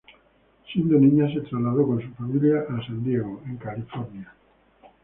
Siendo niña se trasladó con su familia a San Diego, en California.